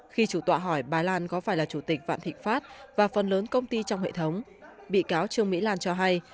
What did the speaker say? khi chủ tọa hỏi bà lan có phải là chủ tịch vạn thịnh pháp và phần lớn công ty trong hệ thống bị cáo trương mỹ lan cho hay